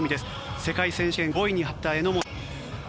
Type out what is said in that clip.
世界選手権５位に入った榎本。